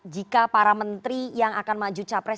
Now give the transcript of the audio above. jika para menteri yang akan maju capres